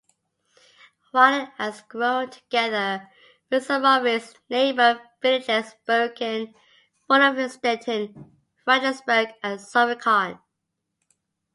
Widen has grown together with some of its neighbour villages Berikon, Rudolfstetten-Friedlisberg and Zufikon.